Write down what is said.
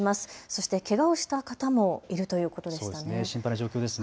そしてけがをした方もいるということです。